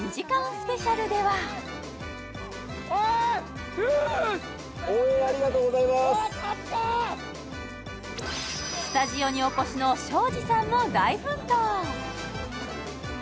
スペシャルではおいスタジオにお越しの庄司さんも大奮闘！